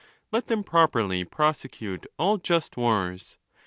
Let them properly prosecute all just wars.